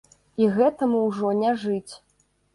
І гэтаму ўжо не жыць.